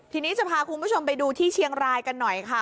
ทุกชมไปดูที่เชียงรายกันหน่อยค่ะ